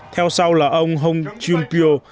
theo sau là ông hong joong pyo